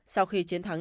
sau khi chiến thắng